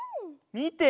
みて！